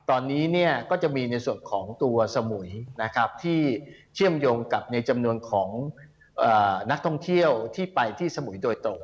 ตอนนี้เนี่ยก็จะมีในส่วนของตัวสมุยนะครับที่เชื่อมโยงกับในจำนวนของนักท่องเที่ยวที่ไปที่สมุยโดยตรง